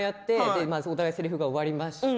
２人のせりふが終わりました